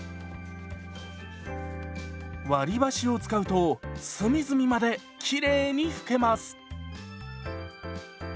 割り箸を使うと隅々まできれいに拭けます。